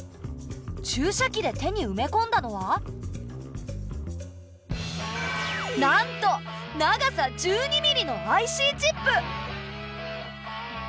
注射器で手にうめこんだのはなんと長さ１２ミリのＩＣチップ！